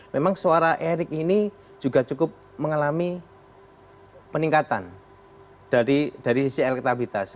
memang suara erick ini juga cukup mengalami peningkatan dari sisi elektabilitas